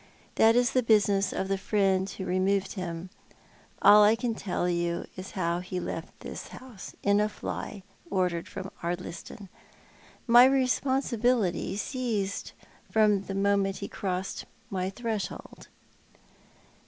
That is the business of the friend who removed him. I can tell you how he left this house — in a fly, ordered from Ardliston. My responsibility ceased from the moment he crossed my threshold."